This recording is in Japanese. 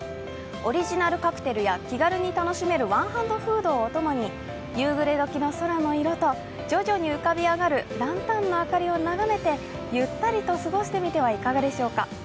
オリジナルカクテルや気軽に楽しめるワンハンドフードをお供に夕暮れどきの空の色と徐々に浮かび上がるランタンの明かりを眺めてゆったりと過ごしてみてはいかがでしょうか？